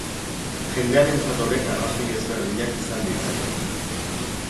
Jendearentzat honek arrazoi ezberdinak izan ditzake.